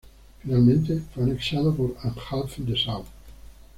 Finalmente fue anexado por Anhalt-Dessau.